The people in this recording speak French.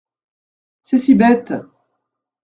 C’est si bête !…